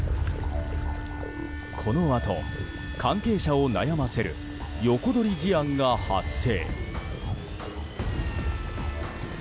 このあと関係者を悩ませる横取り事案が発生。